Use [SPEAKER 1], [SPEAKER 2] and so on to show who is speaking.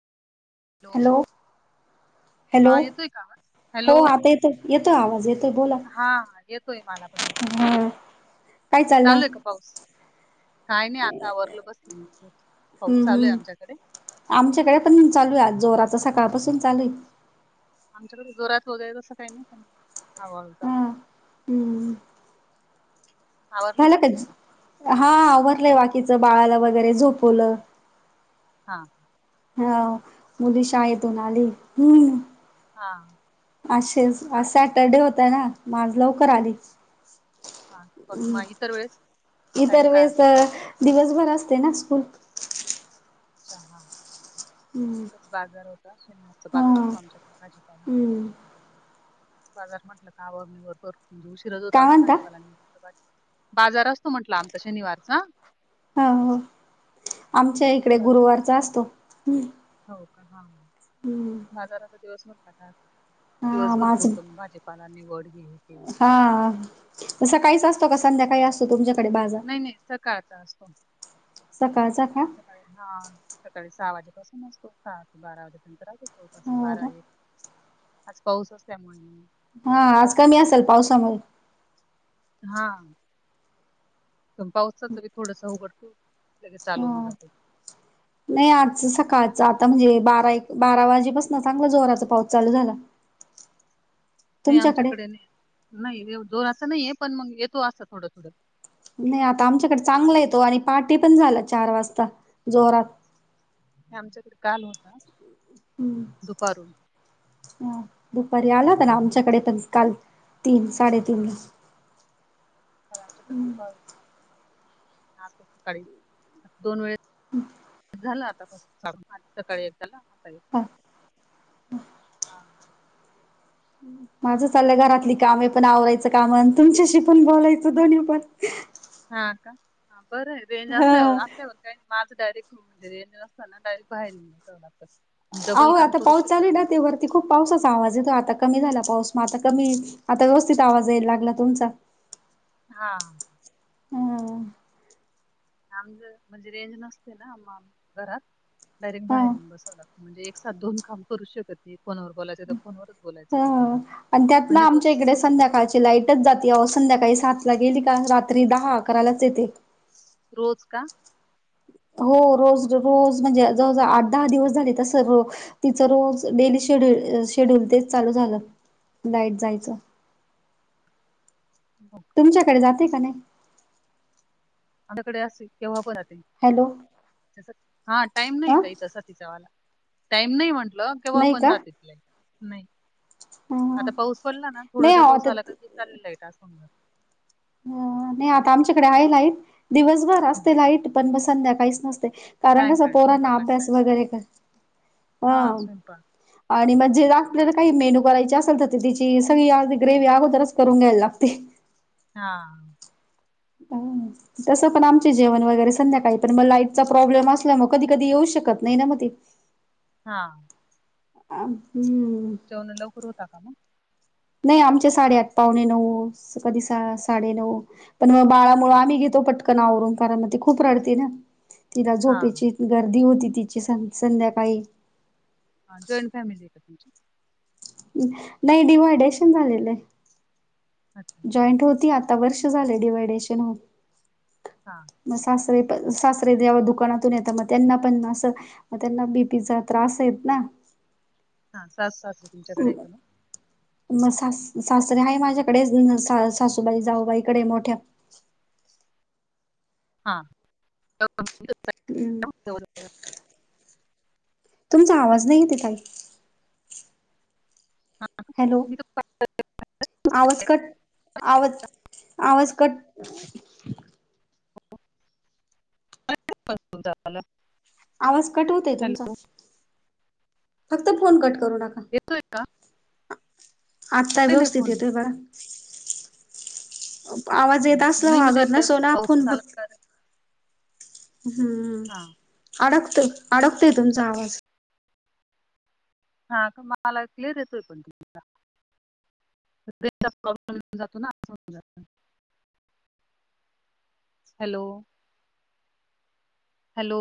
[SPEAKER 1] Hello. Hello
[SPEAKER 2] हा येतोय का आवाज?
[SPEAKER 1] हो
[SPEAKER 2] हॅलो
[SPEAKER 1] आता येतो येतोय आवाज येतोय बोला.
[SPEAKER 2] हा हा येतोय मला पण
[SPEAKER 1] हा काय चाललं
[SPEAKER 2] चालू आहे पाऊस काय नाही आतावररलं बसले पाऊस
[SPEAKER 1] हम्म
[SPEAKER 2] चालूय
[SPEAKER 1] हम्म
[SPEAKER 2] आमच्याकडे
[SPEAKER 1] आमच्याकडे पण चालू आहे आ जोराचा सकाळपसून चालू आहे
[SPEAKER 2] आमच्याकडे जोरात होऊ जाय तसं काही नाही ह चालेल
[SPEAKER 1] हम्
[SPEAKER 2] आवरलं
[SPEAKER 1] झाला
[SPEAKER 2] बाकीच
[SPEAKER 1] का हा आवरडलंय बाकीचं बाळाला वगैरे झोपवलं
[SPEAKER 2] हां
[SPEAKER 1] हा मुली शायेतून आली हम्
[SPEAKER 2] हा
[SPEAKER 1] असेच आ
[SPEAKER 2] हा
[SPEAKER 1] सॅटरडे होतय ना माझ लवकर आली
[SPEAKER 2] हा. बघ मग इतर वेळेस टाइम
[SPEAKER 1] इतर
[SPEAKER 2] काय
[SPEAKER 1] वेळेस
[SPEAKER 2] असतो?
[SPEAKER 1] दिवसभर असते ना स्कूल.
[SPEAKER 2] अच्छा हां
[SPEAKER 1] हम्म
[SPEAKER 2] बाजार होता शनिचा
[SPEAKER 1] हा
[SPEAKER 2] बाजार असतो आमच्याकडे भाजीपाला
[SPEAKER 1] हम्म
[SPEAKER 2] बाजार म्हंटलं कावा मीबर उशीिरज
[SPEAKER 1] काय
[SPEAKER 2] होतून
[SPEAKER 1] म्हणता
[SPEAKER 2] भाजीपा बाजार असतो म्हटला आमचा शनिवारचा
[SPEAKER 1] ह आमच्या इकडे
[SPEAKER 2] बाजार
[SPEAKER 1] गुरुवारचा असतो.
[SPEAKER 2] हो का हा.
[SPEAKER 1] हम्म.
[SPEAKER 2] आजाराचा दिवस भरटात
[SPEAKER 1] हा
[SPEAKER 2] दिवस
[SPEAKER 1] माझ
[SPEAKER 2] भरपूर त भाजीपालांनी वड घे
[SPEAKER 1] हा तसं काहीच असतो का संध्याकाळी असतो तुमच्याकडे बाज
[SPEAKER 2] नाही नाही तर काळचा असतो
[SPEAKER 1] सकाळचा खा
[SPEAKER 2] अ हां सकाळी सहा वाजेपासून असतो स बारा वाजेपर्यंतर आो जवळपास
[SPEAKER 1] हो
[SPEAKER 2] बारा
[SPEAKER 1] ना
[SPEAKER 2] एक आज पाऊसच त्यामुळे
[SPEAKER 1] हा
[SPEAKER 2] असं
[SPEAKER 1] आज कमी असेल पावसामुळे
[SPEAKER 2] हा पण पावसाची थोडस उघडतो सग चालवून
[SPEAKER 1] ह
[SPEAKER 2] जातो
[SPEAKER 1] नाही आजच सकाळच आता म्हणजे बारा एक बारा वाजेपास ना चांगला जोराचा पाऊस चालू झाला [inaudible]
[SPEAKER 2] नाही आमच्याकडे नाही नाही जोर आता नाही आहे पण मग येतो अस थोडं थोडं
[SPEAKER 1] नाही आता आमच्याकडे चांगला येतो आणि पा्टी पण झाला चार वाजता जोरात.
[SPEAKER 2] हे आमच्याकडे काल होता.
[SPEAKER 1] हम्
[SPEAKER 2] दुपारून
[SPEAKER 1] ह दुपारी आला का ना आमच्याकडे तर काल तीन साडे तीन ला
[SPEAKER 2] ता सकाळी दोन वेळे झालं आता सकाळी एकदाला मकाळी
[SPEAKER 1] ला
[SPEAKER 2] हां.
[SPEAKER 1] माझं चाललं घरातली कामे पण आवरायचं काम अं तुमच्याशी पण बोलायचं दोन्ही पण
[SPEAKER 2] हा का? बरं आहे रेंज
[SPEAKER 1] हा
[SPEAKER 2] असल्यावर असं असंयका माझं डायरेक्ट [unintelligible] न असताना डायरेक्ट बाहेर डबल काम करू शकत नाही आपण.
[SPEAKER 1] ती खूप पावसाचा आवाज येतो आता कमी झाला पाऊस मग आता कमी आता व्यवस्थित आवाज यायला लागला तुमचा.
[SPEAKER 2] हा.
[SPEAKER 1] हम्.
[SPEAKER 2] आम म्हणजे रेंज नसते ना आम घरात डायरेक्ट
[SPEAKER 1] हा
[SPEAKER 2] बाहेर येऊन बसव लागत म्हणजे एक साथ दोन काम करू शकत नाही फोणावर बोलायं च तर फोवरच बोलायचं
[SPEAKER 1] हा
[SPEAKER 2] फक्त माझं
[SPEAKER 1] आणि त्यात ना
[SPEAKER 2] म्हणजे तो
[SPEAKER 1] आमच्या इकडे
[SPEAKER 2] स- हा.
[SPEAKER 1] संध्याकाळच्या लाईटच जाते आओ संध्याकाळी सात ला गेली का रात्री दहा अकरालाच येते
[SPEAKER 2] रोज का?
[SPEAKER 1] हो रोज रोज म्हणजे जवळजवळ आठ दहा दिवस झाले तस तिचं रोज डेली शेड्यूल शेड्यूल तेच चालू झालं लाईट जायचं
[SPEAKER 2] हो का?
[SPEAKER 1] तुमच्याकडे जाते का नाही?
[SPEAKER 2] आमच्याकडे असय केव्हा पन जाते
[SPEAKER 1] हॅलो
[SPEAKER 2] कसं? हा टाइम नाही
[SPEAKER 1] अ
[SPEAKER 2] काही तस तिच्यावाला, टाईम नाही म्हंटलं केव्हा
[SPEAKER 1] नाही
[SPEAKER 2] पण
[SPEAKER 1] का
[SPEAKER 2] जाते ती लाईट, नाही
[SPEAKER 1] ह
[SPEAKER 2] आता पाऊस पडला ना
[SPEAKER 1] नाही
[SPEAKER 2] थोडासा
[SPEAKER 1] आहो
[SPEAKER 2] पाऊस
[SPEAKER 1] आता
[SPEAKER 2] आला तर चाली लाईट असं होऊन जातं
[SPEAKER 1] अ नाही आता आमच्याकडे आहे लाईट दिवसभर
[SPEAKER 2] हं,
[SPEAKER 1] असते लाईट, पण म संध्याकाळीच नसते. कारण कसं?
[SPEAKER 2] सायंकाळी
[SPEAKER 1] पोरांना
[SPEAKER 2] स्वयंपाकाच्या
[SPEAKER 1] अभ्यास
[SPEAKER 2] टायमिंगला.
[SPEAKER 1] वगैरे कर
[SPEAKER 2] हां,
[SPEAKER 1] ह
[SPEAKER 2] स्वयंपाक.
[SPEAKER 1] आणि म्हणजे आपल्याला काही मेन्यू करायची असेल तर ते तिची सगळी ग्रेव्ही अगोदरच करून घ्यायला लागते.
[SPEAKER 2] हा.
[SPEAKER 1] म - तसं पण आमचे जेवण वगैरे संध्याकाळी पण मग लाईटचा प्रॉब्लेम असल्या मग कधी कधी येऊ शकत नाही ना मग ती.
[SPEAKER 2] हा.
[SPEAKER 1] अ हम्म.
[SPEAKER 2] जेवण लवकर होता का मग?
[SPEAKER 1] नाही आमचे साडेआठ पाहणे नऊ कधी साडे नऊ पण मग बाळामुळं आम्ही घेतो पटकन आवरून कारन म त ते खूप रडते ना. तिला
[SPEAKER 2] हां,
[SPEAKER 1] झोपेची गर्दी होती तिची सं संध्याकाळी.
[SPEAKER 2] हा जॉईंट फॅमिली आहे का तुमची?
[SPEAKER 1] नाही डिव्हायडेशन झालेलं आहे,
[SPEAKER 2] अच्छा, हां.
[SPEAKER 1] जॉईंट हो ती आता वर्ष झालं डिवायडेशन होऊन.
[SPEAKER 2] हां.
[SPEAKER 1] मग सासरे पन सासरे जेव्हा दुकानातून येत मग त्यांना पण असं मग त्यांना बीपीचा त्रास आहे ना
[SPEAKER 2] हा सासु सासरे तुमच्याकडे का मग?
[SPEAKER 1] मग सास सासरे आहे माझ्याकडेच सासूबाई जाऊबाईकडे मोठ्या
[SPEAKER 2] [inaudible] हा [inaudible]
[SPEAKER 1] हम.
[SPEAKER 2] हो [inaudible]
[SPEAKER 1] तुमचा आवाज नाही येते ताई हॅलो?
[SPEAKER 2] मी तर
[SPEAKER 1] आवाज कट आवाज आवाज कट
[SPEAKER 2] [inaudible] क झाला
[SPEAKER 1] आवाज कट होतय तुमचा, फक्त फोन कट करू नका.
[SPEAKER 2] येतोयका?
[SPEAKER 1] आत्ता व्यवस्थित
[SPEAKER 2] फोन
[SPEAKER 1] येतोय
[SPEAKER 2] येत
[SPEAKER 1] बघा
[SPEAKER 2] होता.
[SPEAKER 1] आवाज येत
[SPEAKER 2] हं,
[SPEAKER 1] असला
[SPEAKER 2] नाही मग ते
[SPEAKER 1] अगर नसो
[SPEAKER 2] असं
[SPEAKER 1] ना आपण
[SPEAKER 2] पाऊस
[SPEAKER 1] फोन
[SPEAKER 2] आला
[SPEAKER 1] फक्त
[SPEAKER 2] का रे? हां.
[SPEAKER 1] हम्अडकतोय अडकतोय तुमचा आवाज
[SPEAKER 2] हां का मला क्लिअर येतोय पण तुमचा [inaudible] [inaudible] हॅलो हॅलो